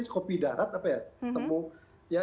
kopi darat apa ya